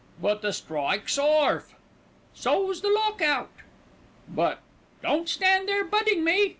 "But the strike's orf." "So's the lock out." "But " "Don't stand there 'butting' me.